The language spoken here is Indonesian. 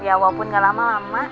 ya walaupun gak lama lama